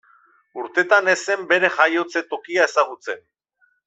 Urtetan ez zen bere jaiotze tokia ezagutzen.